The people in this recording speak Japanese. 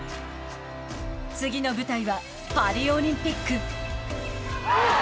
次の舞台はパリオリンピック。